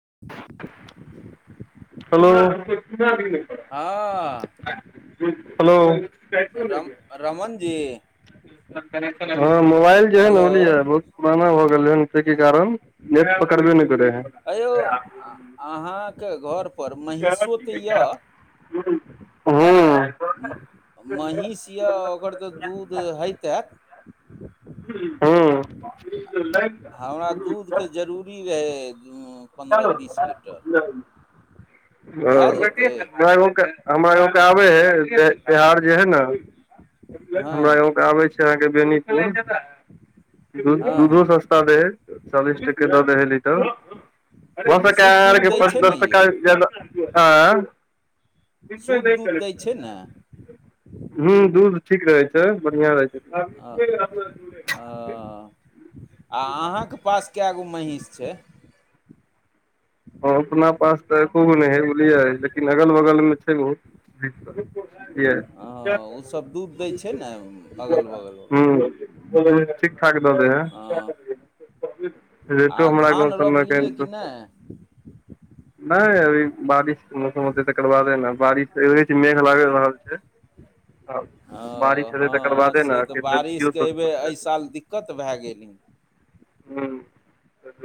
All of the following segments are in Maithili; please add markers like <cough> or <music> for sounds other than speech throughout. हेलो हँ नहि रम रमन जी हेलो <inaudible> ह मोबाइल जे है न हेलो बुझलिये बहुत पुराना भ गेल है के कारण नेट पकड़बे करै है अ यौ अहाँके घर पर महीँषो तऽ यए हूँ म महीँष यए ओकर तऽ दूध होइतै हँ हमरा दूधके जरूरी रहै पन्द्रह बीस लीटर <inaudible> भए हमरा जेतै यं के आबे है बिहार जे है ने हँ हमरा य के आबे छै अहके हँ दूधो हँ सस्ता दे ह चालीस टके दऽ देै ही तऽ भ शुद्ध आर दूध दै पाँच छै ने दस टका यौ हँ इमे शुद्ध नहि दूध दै कनेेक्शन छै ने है हू दूध ठीक रहे छै बढ़ियां रहे छै आ अहाँके पास कए गो महींस छै हँ अपना पास तऽ एको गो नहि हइ बुझलियै लेकिन अगल बगलमे छै ओ हँ ओसभ दूध दै छै ने अगल हूँ बगलवला ठीक ठाक द देै हँ ह आ रेटो हमरा गाँव धान सभमे क रोपलियै कि इन्टे नहि नहि अभी बारिशके मौसम होतै तकर बाद है ने बारिश छै मेघ लागि रहल छै बारिश ओ हेतै तकर हँ बादे ने से तऽ नदियो सब बारिशके छोट हबे ह एहि साल दिक्कत भए गेली <inaudible> ह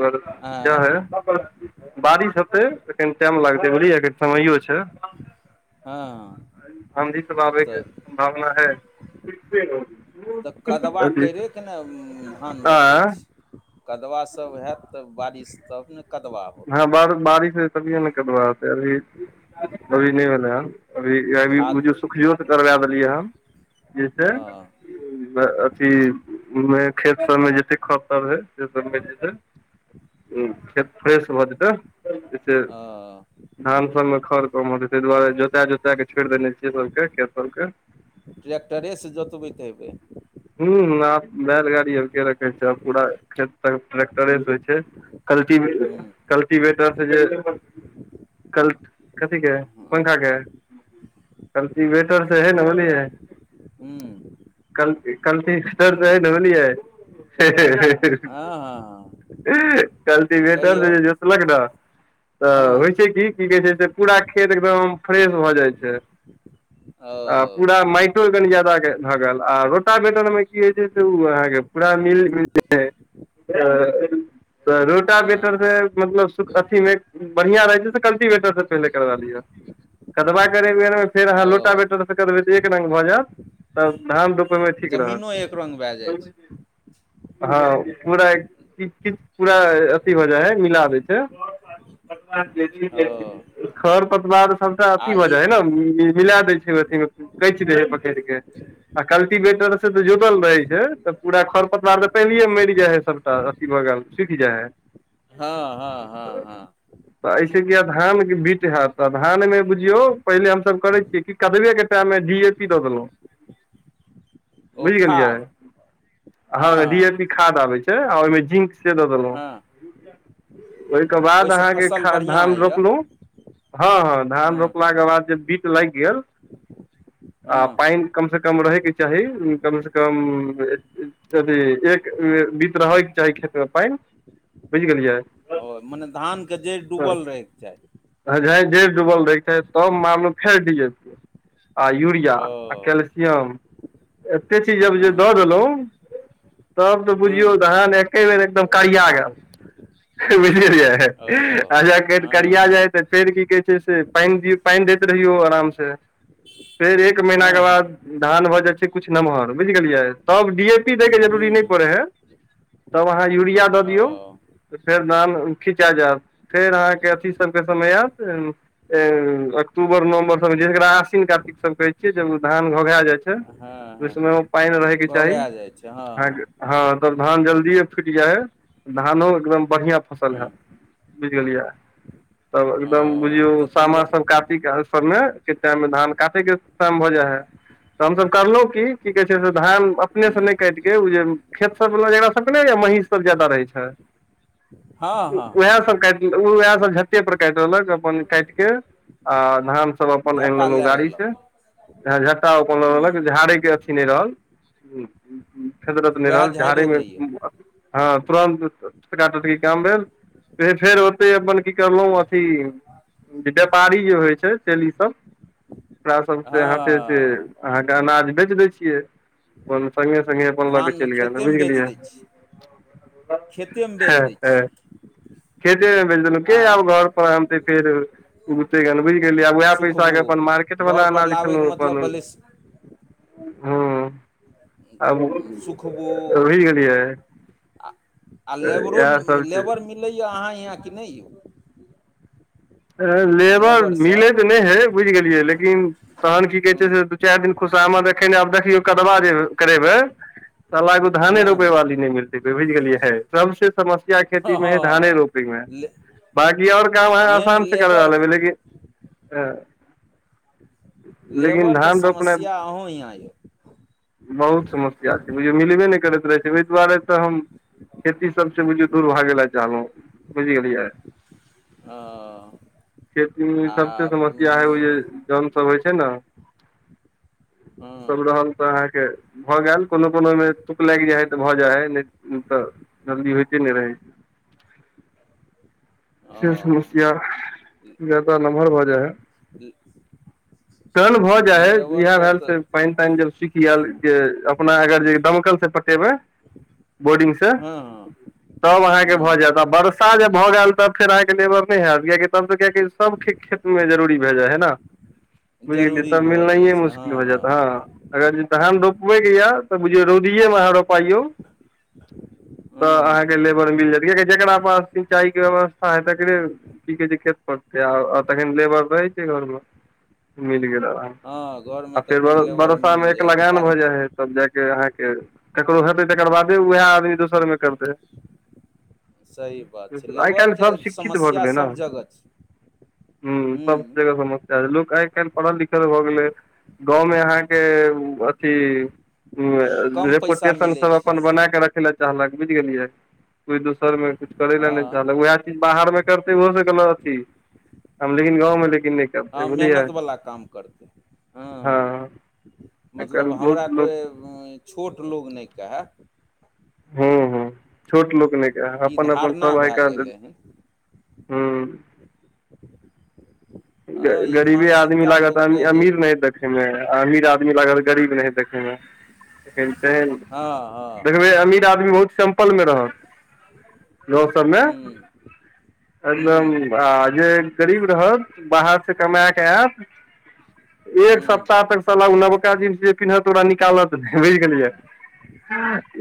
इह है बारिश टाइम लागतै बुझलियै समयो छै हँ आाँधी सब आबैके तऽ सम्भावना है तऽ कदवा करयके ने धान रोपै आँ छी कदवा सब होयत तब बारिश तब ने कदवा होत हँ ब बारिश ह तभिए ने कबाै अभी अभी नहि भेलै ह अभी अभी खाद बुझियौ सुखियोसँ करबा देलियै हन हँ जस अथीमे खेत सबमे जते खर सभ है से सबमे जे छै खत फ्रेश भऽ जेतै जैस हँ धान सब मे खर कम होै ताहि दुआरे जोता जोता क छोड़ि देने छियै सबके खेत सबके ट्र्टरे से जतबीतब ह आब बैलगाड़ी आर के रखे छै आ पूरा खेत त ट्रैेक्टरे से होइ छै कलट हूँ कल्टबेट कथी के हूँ पंखा के कलची वेटर से है ने बोलिय कल कल ठ सर तय ननीय हँ हँ कहियौ कल्टिवेटर जोतलक ने तऽ हँ होइ छै की की कह छै पूरा खेत एकदम फ्रेश भऽ जाइ छै आ ओ पूरा माट कनि ज्यादा भऽ गेल आ रो ा वेतर मे की होइ छै से ओ अहाँके पूरा मिल तऽ रोटा हँ वेटरसँ मतलब अथीमे बढ़िआँ रहैत छै से कलटीवेटरसँ पहिले करवा लिअ कदबा करके फेर अहाँ ओ लोटाै तऽ एक रङग भऽ जायत त धान रोप जमीनो एक रङ्ग भए जाइ छै हँ पूरा कि पूरा अथी हो जाइ हइ मिला दै छै <inaudible> ओ खर पतवार सबस आ अथी भऽ ई जाइ है ने मिला दे छै अथी मे कच दे पकड़ के आ कल्टिवेटर तऽ जुटल रहै छै तऽ पूरा खर पतवार तऽ पहिले मरि जाए है सभटा अथी भऽ गेल सुखि जाए है हँ हँ हँ हँ तऽ एहिस कि धानके बीट हयत तऽ धानमे बुझियौ पहिले हमसभ करै छियै कि कदबेके टाइममे जी ए पी दऽ दलहु <inaudible> बुझि गेलियै खाद हँ ह डी हँ ए पी खाद आबै छै ओहि जिंद से दऽ देलहु हँ ओहिके बाद ओहिसँ अहाँके फसल खाद बढ़िआँ धान होइए रोपलहुँ हँ हँ धान रोपलाक के बाद जे बीट लागि गेल आ हँ पानि कमसँ कम रहैके चाही कमसँ कम अथी एक बीत रहयके चाही खेतमे पानि बुझ गेललिय ओ मने धानके जड़ि डूबल रहैके चाही जे डुबल रहै छै तब मानलू फेर डी ऐ पी आ यूरिया आ ओ कैल्सियम एतेक चीज आब जे हँ दऽ देलहुँ तब तऽ बुझियौ हँ धहन एके बेर एकदम करिया गेल बुझियै ओ अच्छा हँ करिया हँ जाइ तऽ फेर की कहै छै से पानि दियौ पानि रहि आरामेर महीना हँ के हँ बाद धान भो जाइ छे किछु नमहर बुझि गेलियै तब डी ए पी ह्म दैके जरूरी ह्म नहि पड़ै ह्म हइ तब अहाँ यूरिया दऽ ओ दियौ तऽ फेर धान खीचा जायत फेर अहाँके अथी सभके समय आयत अक्टूबर नवम्बर सभ जेकरा आस्विन कार्तिक सभ कहै छियै जब ओ धान घघा जाइ छै हँ ओहि हँ समयमे पानि रहयके चाही घोघा जाइ छै हँ अहाँके हँ तब धान जल्दिए फुटि जाइ हइ धानो एकदम बढ़िआँ फसल हँ हइ बुझि गेलियै तब हँ एकदम ओ बुझियौ तब तऽ ले सामा सब काातिक क ने के टाइम मे धान काटे के टाइम भऽ जाइ है तऽ हमसभ करलहुँ की कहे छै से धान अपने से नहि ह्म काट के ओ जे खेत सब वाल ज सब अपने या महीष सब ज्यादा रहै छै हँ हँ हँ वएह सब हँ का ते पर काट दक अपन काट के आ धान सब अपन आनि झट्टा लेलहुँ लए गाड़ी से लेलक झट्टा ओ अपन लक हूँ झाड़ेके अथी नहि रहल ह फेदरत नहि उएह रहल झाड़िो झड़ेमे दैए हँ तुरन्त टकाटटकी काम भेल फेर ओते अपन की करलहुँ अथी जे व्यापारी जे होइ छै तेल ईसभ ओरा सब से हाथ से हँ अहाँके अनाज बेच दय छियै अपन छेलियै अपन लऽ के धान चलि गेल खेतेमे बुझि बेच गेलियै दै छी खेतेमे बेच दै छियै मे खेते बेंच देलौं के आब घर पर अनतै <unintelligible> केली आ उएह पैसा सुखबू के अपन मार्केट वाला घरपर अनाज लाबयके खेलहु अपन मतलब भेलै हँ आब सुखबू रहि गेलियै <unintelligible> आ आ तऽ लेबरो इएह सब छै लेबर मिलैए अहाँ हीयां कि नहि यौ लेबर मिलै लेबरसभ तऽ नहि है बुझि गेलियै लेकिन तहन की कहै छै हँ से दू चारि दिन खुशामद एखेने आब देखियो कदबा जे करेबै साला कोइ धाने रोपै हँ वाली नहि मिलतै कोइ बुझि गेलियै है सबसे समस्या या खेती मे है धाने हँ रोपैमे ले बाकी आओर काम अहाँ मेन आसान से करवा लेबर लेबै लेकिन हँ लेबरके समस्या अहूँ हीयां अइ बहुत समस्या छै बुझियौ मिलबे नहि करैत रहै छै ओहि दुआरे तऽ हम खेती सभसँ बुझियौ दूर भागए ले चाहलौं बुझि गेलियै ओ खेतीमे सभसँ समस्या हइ उ जे हँ जौन सभ होइ छै न <inaudible> सभ रहल तऽ अहाँके भऽ गेल कोनो कोनो मे तुक लागि जाइ हइ तऽ भऽ जाइ हइ नहि तऽ जल्दी होयते नहि रहै <inaudible> से समस्या ह जायदा लमहर भऽ जाय है टर्न भऽ जाइ हइ इएह लेबरके भेल तऽ से पानि तानि जब सुखि की आयल जे अपना अगर जे दमकल से पटेबै बोर्डिंगसँ हँ तब अहाँके भऽ हँ जायत आ वर्षा जे भऽ गेलय तब फेर अहाँके लेबर नहि हेत कियकि तब तऽ कियाकि सभ खेत मे जरूरी भए जाइ है न <inaudible> बुझि गेलियै तब भऽ जाइ मिलनाइये छै हँ मुश्किल भऽ जाएत हँ अगर जे धान रोपबैके ये तऽ बुझियौ रौदिये मे अहाँ रोपा लियौ <inaudible> तऽ अहाँके हँ लेबर मिल जायत कियाकि जकरा पास सिंचाइके व्यवस्था हय तकरे की कहैत छै खेतपर आ तखन लेबर रहै छै घरमे मिल गेल आराम हँ घरमे सँ फेर तखन लेबर वर्षा मे मिल एक जायत लगान भऽ कारण जाइ है तब जा अहाँके ककरो हेतै तकर बादे उएह आदमी दोसरमे करतै सही बात छै आइ काल्हि लेबरके सभ शिक्षित भऽ समस्या गेलै न सभ जगह छै हँ सब ह जगह समस्या <unintelligible> लोक आइ काल्हि पढ़ल लिखल भऽ गेलै गाँवमे अहाँके अथी कम पैसा रेपुटेशन मिलै सब छै अपन बना कऽ रखैय ले चाहलक बुझि गेलियै कोइ दोसरमे कुछ करै ले नहि हँ चाहलक उएह चीज बाहरमे करतै ओहोसँ अथी हम लेकिन गाँंव मे लेकिन नहि हँ करतै बुझलियै मेहनतवला काम करतै हँ आइ मतलब काल्हि हमरा बहुत लोक कोइ छोट लोक नहि कहे ह्मँ ह्मँ छोट लोक नहि केहे ई अपन अपन धारणा सभ आइ भए काल्हि गेलै हन हूँ हँ ई गरीबे आदमी मानसिकता लागत लोकके जे अमीर नाहित देखैमे आ अमीर आदमी लागल गरीब नाहित देखै मे हँ देखबै हँ अमीर आदमी बहुत सिम्पल मे रहत गाँव सबमे हँ हुँ एकदम हुँ आ जे गरीब रहत बाहर से कमाके एत एक हुँ सप्ताह तक साला ओ नबका जींस जे पिन्हत ओकरा निकालत नहि बुझि गेलियै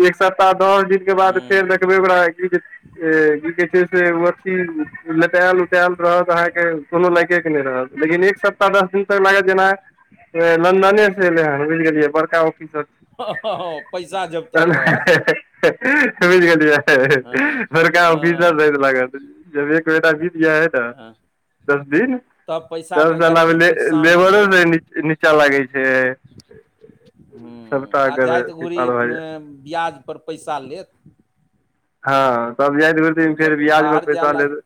एक सप्ताह दस दिन के बाद हुँ फेर देखबै ओकरा की कहै छै से लेटायल उटायल रहत अहाँके कोनो लागिके नहि रहत लेकिन एक सप्ताह दस दिन तक लागत जेना लन्दने सँ एलैय बूझि गेलियै बड़काऑफिसर ह हं पैसा जब तक रहत समैझ गेलियै हँ बड़का औफिसर हँ जँका लागत जब एक महीना बीत जाय है न हँ दस दिन तब दस पैसाके दना गर्मी कुछ शान्त लेबरो भेल नीचा लागै छै हुँ सबटा आ एकर जाति अथी गोरी पार भऽ जाइ ब्याजपर पैसा लेत हँ तब जाइत घुर दिन फेर जब बियाज पर बाहर जाय पैसा लाग लेत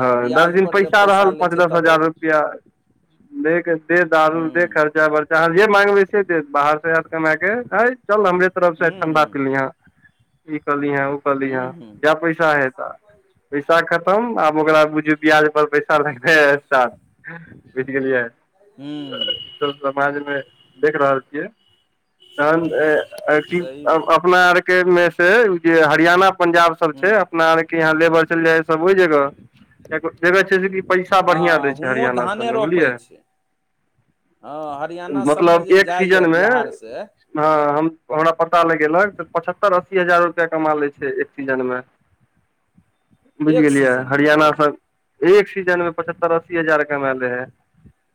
हँ दस ब्याज दिन पर जब पैसा रहल लै पाँच छै दस तब ओ हजार रुपैआ <inaudible> दे दारू दे हुँ खर्चा बर्चा अहाँ जे माँगबै से देत बाहर से आयत कमाके ह चल हम हमरे तरफ से हुँ ठंडा हुँ पी लिहां हे ई कहलीहे उ कलिहां हुँ हुँ जा पैसा ह ता पैसा खतम आब ओकरा बुझू ब्याजपर पैसा लगतै स्टार्ट बुझि गेलियै हुँ ई सब समाजमे देख रहल छियै सही तहन अपना आरके मे छै उ जे हरियाणा पंजाब सब हुँ छै अपना आर के यहाँ लेबर चल जाइ सब ओहि जगह एगो जगह छै से कि पैसा बढ़िआँ दै हँ छै हुओं हरियाणा धाने सभमे बुझलियै रोपै छै हँ हरियाणा सभमे मतलब जे एक जाइए सीजन मे बिहारसे हँ हम हमरा पता लगेलक पचहत्तर अस्सी हजार रुपैया कमा लै छै एक सीजनमे बुझि एक गेलियै सीजनमे यौ हरियाणासँ एक सीजनमे पचहत्तरि अस्सी हजार कमा लै हए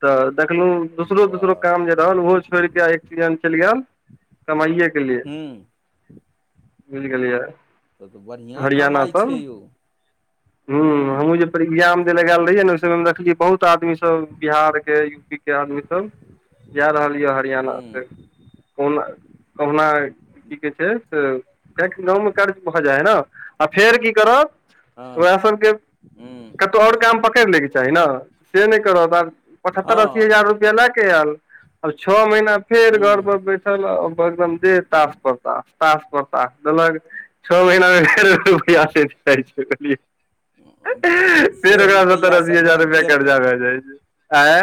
तऽ देखलहुँ दोसरो वाह दोसरो काम जे रहल ओहो छोड़ि कऽ एक सीजन चलि गेल कमाइए हूं मिल गेल यार बढ़िआँ कमाइ छै यौ हूं लगायल रहहियै ने ओहि सब देखलियै बहुत आदमी सब बिहार के यूपी के आदमी सब जा रहल य हरियाणा हुँ कहुना कहुना की कहै छै से गाँवमे कर्ज भऽ जाय है ने आ फेर की करत हँ ओकरा सब के हुँ कतहु आओर काम पकड़ि लैके चाही ने से नहि करत आ पचत्तर अस्सी हँ हजार रुपया लाग के आएल आब छओ महीना फेर घर हुँ पर बैठल एकदम दे तास पर तास तास पर तास देलक छओ महीनामे फेर रुपया सइठ जाय छै बुझलियै फेर ओकरा सत्तर रुपैआ अस्सी हजार सटल रुपआ फेर क कर्जा भए जाइ छै आंय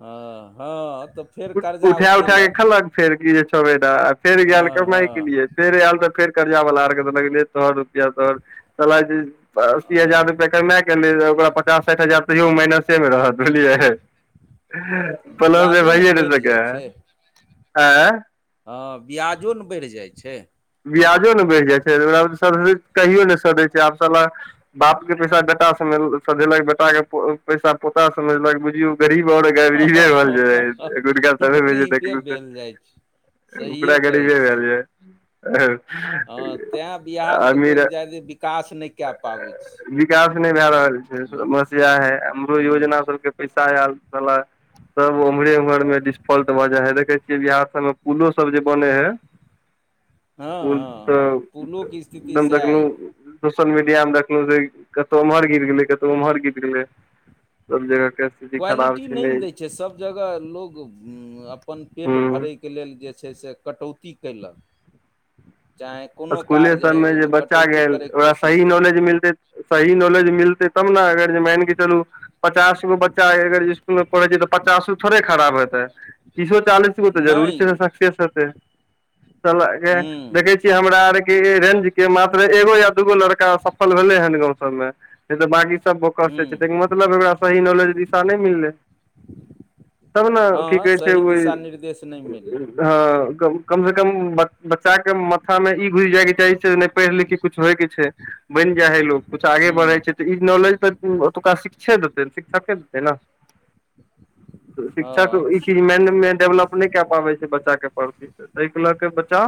हँ हँ तऽ फेर कर्जा उठा उठा क उठेलक खेलक फेर इ छः महिना फेर गाएल हँ कमाइ के हँ लिए फेर आयल तऽ फेर कर्जा बाला आर के तऽ लगले तोहर रुपया तोहर च अस्सी अ हजार रुपया कमा के एले ओकरा पचास साठि हजार तइयो माइनसे मे रहत बुझलिय पलसमे ब्याजो ने भइये नइ बढ़ि जाइ छै सकइया एं हँ ब्याजो ने बढ़ि जाइ छै ब्याजो ने बढ़ि जाय छै एना मे कहियो ने सधे छै आब साला बाप के पैसा कटा सम सधेलक बेटाके पैसा पोता सधेलक बुझियौ गरीब ग नहि रहल छै गकाल समयमे जे गरीबे देखल छै भेल जाइ छै <unintelligible> सहिए उकड़ा करी कहै जे छी भेलल छै हँ तैँ बिहारके लोक जादे विकास नहि कए पाबै छै विकास नहि भए रहल छै समस्या है हमरो हँ योजना सबके पैसा आयल छला सब ओम्हरे उम्हर मे डिस्फल्ट भऽ जाइ है देखै छियै बिहार सबमे पुलो सब जे बनै है <inaudible> पुल हँ तऽ हँ पुलोके स्थिति एकदम सएह देखलो यए सोसल मीडिया मे देखलहु कतहु उमहर गिर गेल कतहु उमहर गिर गेल सब जगह के स्थिति खराब क्वालिटी नहि छलै ने दै छै सभ जगह लोक अपन पेट हूँ भरयके लेल जे छै से कटौती कयलक चाहे कोनो स्कूले कार्य हइ सबमे जे ओहिमे बच्चा कटौती गेल करयके ओकरा कोशिश सही केलक नॉलेज मिलतै सही नॉलेज मिलते तब ने अगर माइन के चलू पचास गो बच्चा अगर इसकुल मे पढ़े छै तऽ पचासो थोड़े खराब हेते तिसो चालिस गो त जरूरी नहि यौ छै सकसेस हेतइ साला के हूँ देखे छीय हमरा आर के रेंज के मात्र एगो या दूगो लड़का सफल भेलै हन ग सबमे नहि त बाकी सब बोकसे हूँ छै तइ के मतलब एकरा सही नॉलेज दिशा नहि मिललै तब ने की हँ कहै छै सही ओहि दिशा निर्देश नहि मिललै ह कम से कम बच्चा के माथा मे ई घुस जाइ के चाही छै नहि पढ़ि लिखे कुछ होय के छै बनि जाइ ह लग कुछ आगे बढ़े हूँ छै तऽ ई नॉलेज तऽ ओतुका शिक्षे देतै शिक्षके देतै ने तऽ शिक्षक हँ ई चीज माइंड मे डेवलप नहि कए पाबै छै बच्चाके पढ़ति तइके लऽ कऽ बच्चा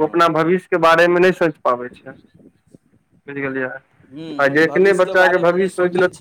ओ अपना भविष्यके बारेमे नहि सोचि पाबै छै बुझि गेलियै आ हूँ जखने भविष्यके बच्चाके बारेमे नहि भविष्य सोच सोचै ल छै